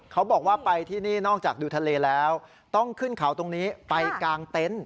เขาบอกว่าไปที่นี่นอกจากดูทะเลแล้วต้องขึ้นเขาตรงนี้ไปกลางเต็นต์